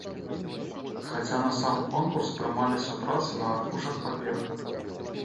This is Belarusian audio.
Хаця на сам конкурс прымаліся працы на аркушах паперы.